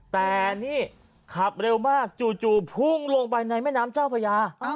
แต่นี่ขับเร็วมากจู่พุ่งลงไปในแม่น้ำเจ้าพญา